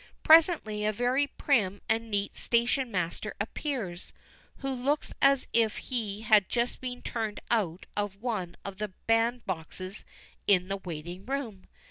Presently a very prim and neat station master appears, who looks as if he had just been turned out of one of the band boxes in the waiting room.